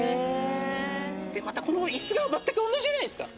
またこの椅子が全く同じじゃないですか。